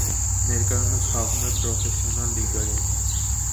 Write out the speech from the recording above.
Ներկայումս խաղում է պրոֆեսիոնալների լիգայում։